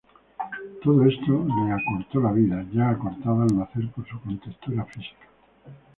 Todo esto le acortó la vida, ya acortada al nacer, por su contextura física.